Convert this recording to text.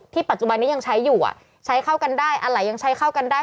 ปัจจุบันนี้ยังใช้อยู่ใช้เข้ากันได้อะไรยังใช้เข้ากันได้